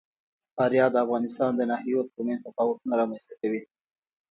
فاریاب د افغانستان د ناحیو ترمنځ تفاوتونه رامنځ ته کوي.